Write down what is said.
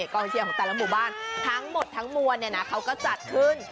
กองเชียร์ของแต่ละหมู่บ้านทั้งหมดทั้งมวลเขาก็จัดขึ้น